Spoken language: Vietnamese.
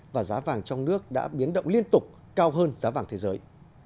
và giá vàng trong nước đã biến động liên tục cao hơn giá vàng thế giới